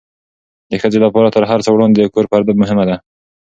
د ښځې لپاره تر هر څه وړاندې د کور پرده مهمه ده.